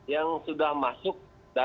yang sudah masuk